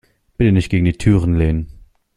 Bitte nicht gegen die Türen lehnen.